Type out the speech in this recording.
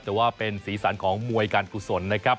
แต่ว่าเป็นสีสันของมวยการกุศลนะครับ